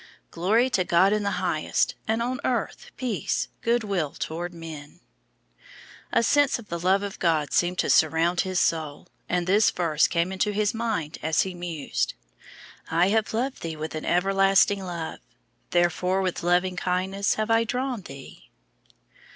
"Glory to God in the highest, and on earth peace, good will toward men." A sense of the love of God seemed to surround his soul, and this verse came into his mind as he mused: "I have loved thee with an everlasting love, therefore with loving kindness have I drawn thee."